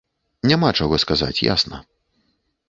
Няма чаго сказаць, ясна.